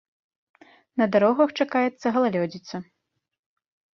На дарогах чакаецца галалёдзіца.